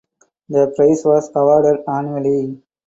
The prize was awarded annually.